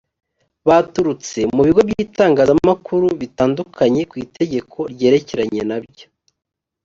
baturutse mu bigo by’itangazamakuru bitandukanye ku itegeko ryerekeranye na byo